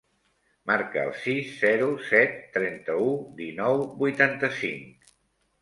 Marca el sis, zero, set, trenta-u, dinou, vuitanta-cinc.